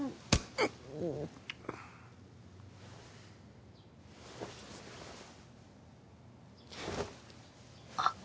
うっあっ